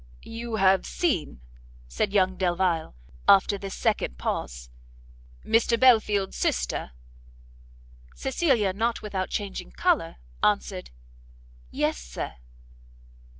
"You have seen," said young Delvile, after this second pause, "Mr Belfield's sister?" Cecilia, not without changing colour, answered "Yes, Sir."